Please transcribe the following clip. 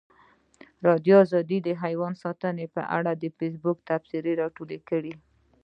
ازادي راډیو د حیوان ساتنه په اړه د فیسبوک تبصرې راټولې کړي.